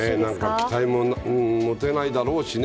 期待も持てないだろうしね。